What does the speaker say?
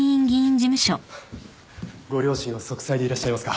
ご両親は息災でいらっしゃいますか？